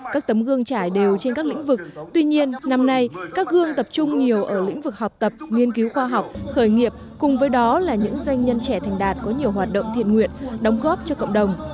các tấm gương trải đều trên các lĩnh vực tuy nhiên năm nay các gương tập trung nhiều ở lĩnh vực học tập nghiên cứu khoa học khởi nghiệp cùng với đó là những doanh nhân trẻ thành đạt có nhiều hoạt động thiện nguyện đóng góp cho cộng đồng